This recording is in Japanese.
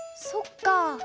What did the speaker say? そっか。